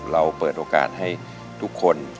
เราเปิดโอกาสให้ทุกคน